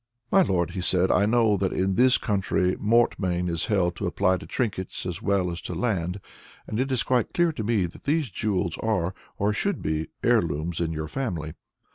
"My lord," he said, "I know that in this country mortmain is held to apply to trinkets as well as to land, and it is quite clear to me that these jewels are, or should be, heirlooms in your family.